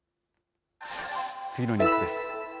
次のニュースです。